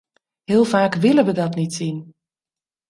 Heel vaak willen we dat niet zien.